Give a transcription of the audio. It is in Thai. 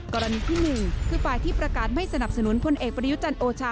กรณีที่๑คือฝ่ายที่ประกาศไม่สนับสนุนพลเอกประยุจันทร์โอชา